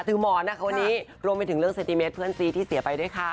ถึงหมอนนะคะวันนี้รวมไปถึงเรื่องเซนติเมตรเพื่อนซีที่เสียไปด้วยค่ะ